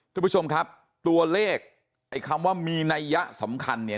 ทุกผู้ชมครับตัวเลขไอ้คำว่ามีนัยยะสำคัญเนี่ย